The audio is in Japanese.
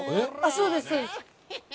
そうですそうです。